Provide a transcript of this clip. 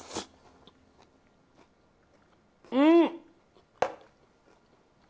うん！